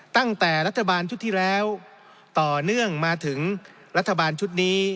ตั้งแต่รัฐบาลชุดที่แล้วต่อเนื่องมาถึงรัฐบาลชุดนี้